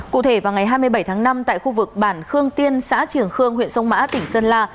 cụ thể vào ngày hai mươi bảy tháng năm tại khu vực bản khương tiên xã triềng khương huyện sông mã tỉnh sơn la